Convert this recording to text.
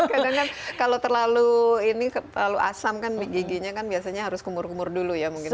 kadang kan kalau terlalu ini terlalu asam kan giginya kan biasanya harus kumur kumur dulu ya mungkin